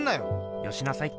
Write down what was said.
よしなさいって。